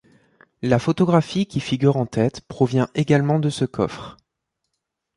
La photographie qui figure en tête provient également de ce coffre.